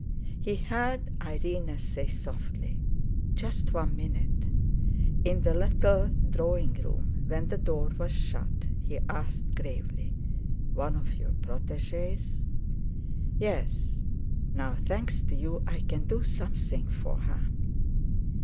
He heard Irene say softly: "Just one minute." In the little drawing room when the door was shut, he asked gravely: "One of your protégées?" "Yes. Now thanks to you, I can do something for her."